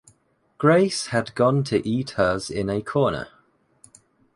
Grace had gone to eat hers in a corner.